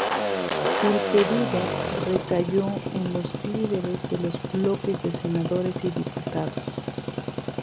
El pedido recayó en los líderes de los bloques de Senadores y Diputados.